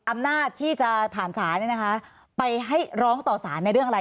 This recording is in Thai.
อำนาจที่จะผ่านศาลเนี่ยนะคะไปให้ร้องต่อสารในเรื่องอะไร